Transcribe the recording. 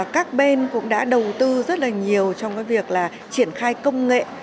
các bên cũng đã đầu tư rất là nhiều trong cái việc là triển khai công nghệ